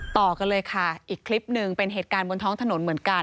ต่อกันเลยค่ะอีกคลิปหนึ่งเป็นเหตุการณ์บนท้องถนนเหมือนกัน